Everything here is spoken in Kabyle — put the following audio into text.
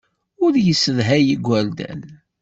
Ur yessedhay igerdan.